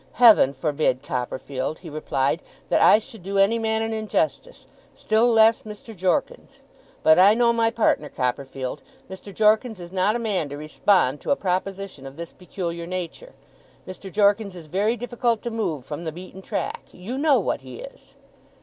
'Heaven forbid, Copperfield,' he replied, 'that I should do any man an injustice: still less, Mr. Jorkins. But I know my partner, Copperfield. Mr. Jorkins is not a man to respond to a proposition of this peculiar nature. Mr. Jorkins is very difficult to move from the beaten track. You know what he is!